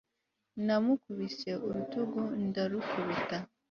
Namukubise urutugu ndarukubita